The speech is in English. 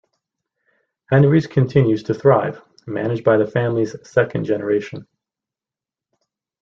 Henry's continues to thrive, managed by the family's second generation.